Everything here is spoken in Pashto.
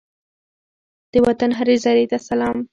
د وطن هرې زرې ته سلام!